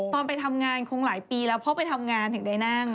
ตอนไปทำงานคงหลายปีแล้วพ่อไปทำงานถึงได้นั่ง